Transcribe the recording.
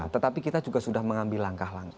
tetapi kita juga sudah mengambil langkah langkah